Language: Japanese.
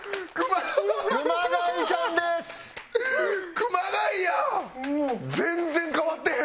熊谷やん！